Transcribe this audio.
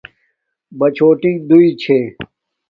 بَچھݸٹیݣ دݸئی چھݺ.